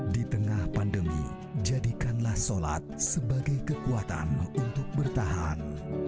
di tengah pandemi jadikanlah sholat sebagai kekuatan untuk bertahan